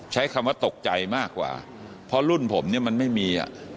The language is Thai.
ใช้คำว่าตกใจมากกว่าเพราะรุ่นผมเนี่ยมันไม่มี